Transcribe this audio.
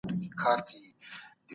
هغه د ټولو زړونو په حال خبر دی.